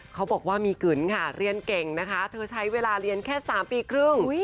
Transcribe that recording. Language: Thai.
เขาบอกว่ามีกึ๋นค่ะเรียนเก่งนะคะเธอใช้เวลาเรียนแค่๓ปีครึ่ง